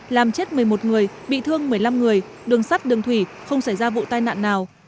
làm chết một mươi một người bị thương một mươi năm người đường sắt đường thủy không xảy ra vụ tai nạn nào